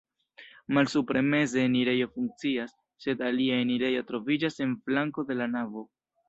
Malsupre meze enirejo funkcias, sed alia enirejo troviĝas en flanko de la navo.